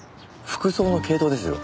服装の系統ですよ。